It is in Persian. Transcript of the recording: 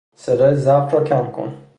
صدای ضبط را کم کن.